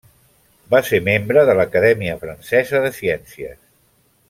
Va ser membre de l'Acadèmia Francesa de Ciències.